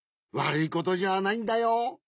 わるいことじゃないんだよ。